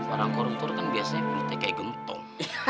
orang koruptor kan biasanya putih kayak gentong